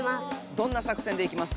どんな作戦でいきますか？